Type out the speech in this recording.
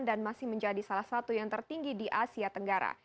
dan masih menjadi salah satu yang tertinggi di asia tenggara